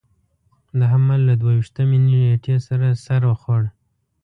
د حمل له دوه ویشتمې نېټې سره سر خوړ.